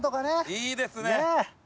いいですね！